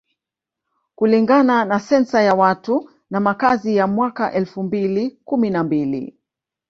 Kulingana na Sensa ya watu na makazi ya mwaka elfu mbili kumi na mbili